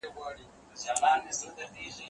هغه وويل چي لیکل ضروري دي!؟